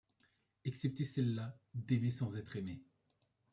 Excepté celle-là, d'aimer sans être aimé !